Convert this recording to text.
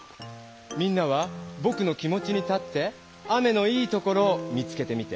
みんなはぼくの気持ちに立って雨の「いいところ」を見つけてみて。